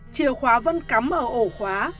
chìa khóa vẫn cắm ở ổ khóa